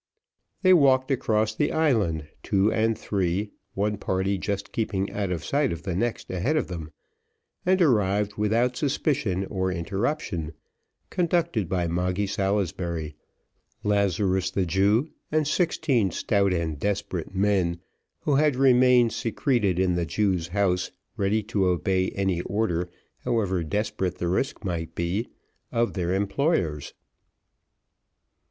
They walked across the island by two and three, one party just keeping sight of the next ahead of them, and arrived without suspicion or interruption, conducted by Moggy Salisbury, Lazarus the Jew, and sixteen stout and desperate men, who had remained secreted in the Jew's house, ready to obey any order, however desperate the risk might be, of their employers.